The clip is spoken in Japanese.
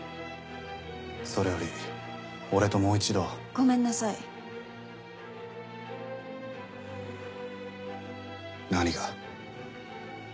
それより俺ともう一度ごめんなさい何が？